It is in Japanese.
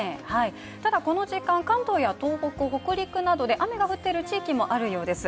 ただ、この時間、関東東北、北陸などで雨が降っている地域もあるようです。